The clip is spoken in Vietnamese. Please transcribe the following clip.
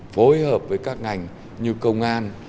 phối hợp với các ngành như công an